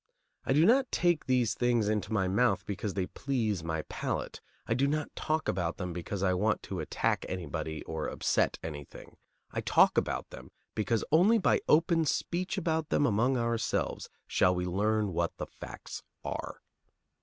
I do not take these things into my mouth because they please my palate; I do not talk about them because I want to attack anybody or upset anything; I talk about them because only by open speech about them among ourselves shall we learn what the facts are.